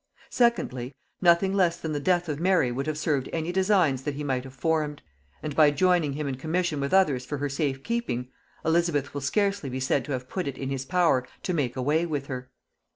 Secondly, nothing less than the death of Mary would have served any designs that he might have formed; and by joining him in commission with others for her safe keeping, Elizabeth will scarcely be said to have put it in his power to make away with her.